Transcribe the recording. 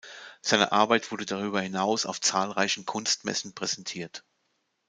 Seine Arbeit wurden darüber hinaus auf zahlreichen Kunstmessen präsentiert.